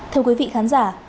thưa quý vị khán giả